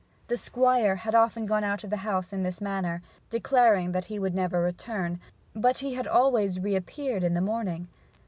The Squire had often gone out of the house in this manner, declaring that he would never return, but he had always reappeared in the morning.